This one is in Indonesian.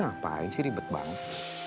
ngapain sih ribet banget